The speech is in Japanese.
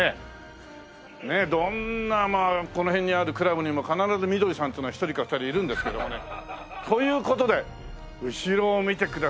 ねえどんなまあこの辺にあるクラブにも必ずミドリさんっていうのが１人か２人いるんですけどもね。という事で後ろを見てください。